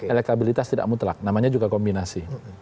elektabilitas tidak mutlak namanya juga kombinasi